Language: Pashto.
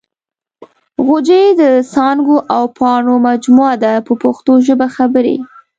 جوغې د څانګو او پاڼو مجموعه ده په پښتو ژبه خبرې.